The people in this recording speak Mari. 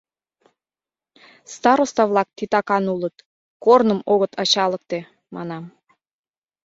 Староста-влак титакан улыт, корным огыт ачалыкте, — манам.